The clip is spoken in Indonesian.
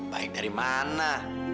baik dari mana